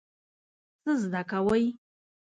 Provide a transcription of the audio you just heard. څه زده کوئ؟